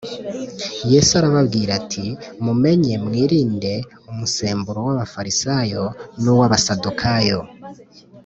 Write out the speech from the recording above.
Yesu arababwira ati “Mumenye, mwirinde umusemburo w’Abafarisayo n’uw’Abasadukayo.”